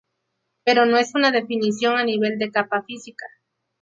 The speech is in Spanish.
Pero no es una definición a nivel de capa física.